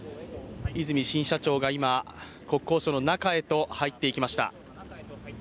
和泉新社長が今、国交省の中へと入っていきました。